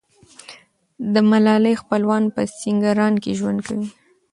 د ملالۍ خپلوان په سینګران کې ژوند کوي.